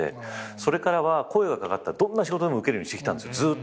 それからは声が掛かったらどんな仕事でも受けるようにしてきたずっと。